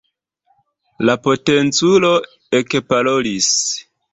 La potenculo ekparolis.